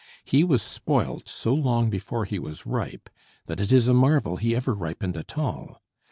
He was spoilt so long before he was ripe that it is a marvel he ever ripened at all.